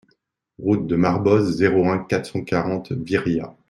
Route de Marboz, zéro un, quatre cent quarante Viriat